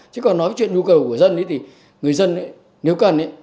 chứ còn nói chuyện nhu cầu của dân thì người dân nếu cần